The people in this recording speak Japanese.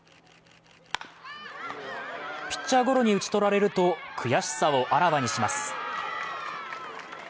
ピッチャーゴロに打ち取られると悔しさをあらわにします。